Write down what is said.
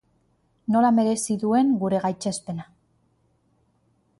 Nola merezi duen gure gaitzespena!.